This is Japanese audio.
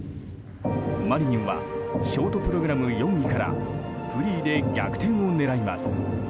マリニンはショートプログラム４位からフリーで逆転を狙います。